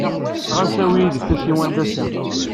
Ɣas awey yid-k tasiwant ass-a.